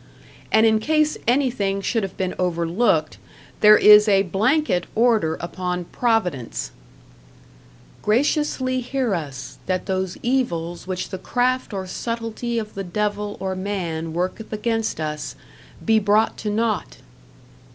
And in case anything should have been overlooked, there is a blanket order upon Providence: "Graciously hear us, that those evils which the craft or subtilty of the devil or man worketh against us, be brought to nought!"